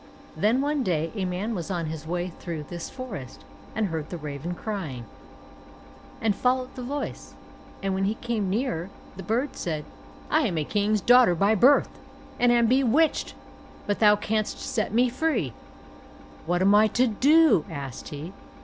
Then one day a man was on his way through this forest and heard the raven crying, and followed the voice, and when he came nearer, the bird said, "I am a king's daughter by birth, and am bewitched, but thou canst set me free." "What am I to do," asked he.